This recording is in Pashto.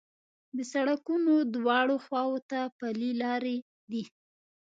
د سړکونو دواړو خواوو ته پلي لارې دي.